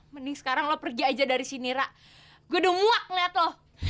mending sekarang lo pergi aja dari sini ra gue udah muak ngeliat lo